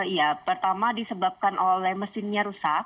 ya pertama disebabkan oleh mesinnya rusak